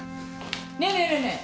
ねえねえねえねえ。